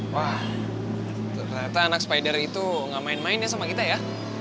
wah ternyata anak spider itu gak main main ya sama kita ya